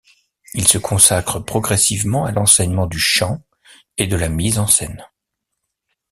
Il se consacre progressivement à l'enseignement du chant et de la mise en scène.